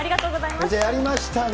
やりましたね。